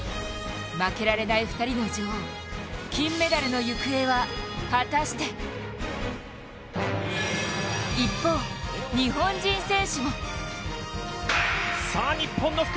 負けられない２人の女王、金メダルの行方は果たして一方、日本人選手も。